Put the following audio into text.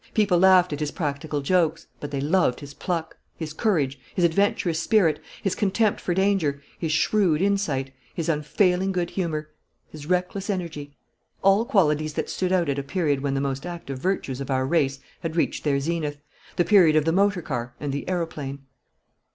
"People laughed at his practical jokes, but they loved his pluck, his courage, his adventurous spirit, his contempt for danger, his shrewd insight, his unfailing good humour, his reckless energy: all qualities that stood out at a period when the most active virtues of our race had reached their zenith, the period of the motor car and the aeroplane....